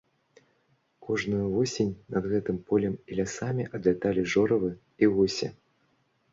Кожную восень над гэтым полем і лясамі адляталі жоравы і гусі.